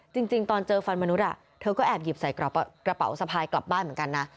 จริงตอนเจอฟันมนุษย์เธอก็แอบหยิบใส่กระเป๋าสะพายกลับบ้านเหมือนกันนะ